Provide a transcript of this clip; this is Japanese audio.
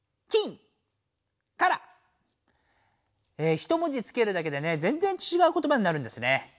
ひと文字つけるだけでねぜんぜんちがう言葉になるんですね。